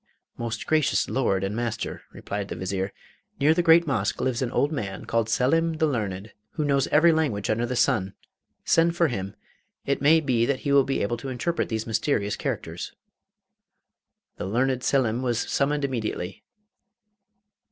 'Most gracious Lord and master,' replied the Vizier, 'near the great Mosque lives a man called Selim the learned, who knows every language under the sun. Send for him; it may be that he will be able to interpret these mysterious characters.' The learned Selim was summoned immediately.